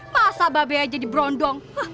masa babe aja diberondong